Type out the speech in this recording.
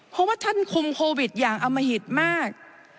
เพราะว่าท่านคุมโควิดอย่างอมหิตมาก